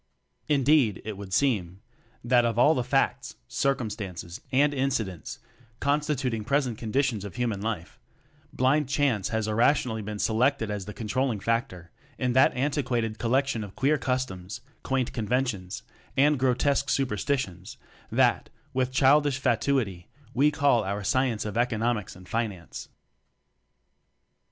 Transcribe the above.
Indeed, it would seem, that of all the facts, circumstances, and incidents, constituting present conditions of hu man life, "blind chance" has irration alty been selected as the controlling factor in that antiquated collection of queer customs, quaint conventions and grotesque superstitions, that, with childish fatuity, we call our "Science of Economics and Finance."